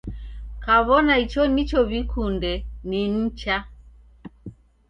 Kaw'ona icho nicho w'ikunde ni nicha.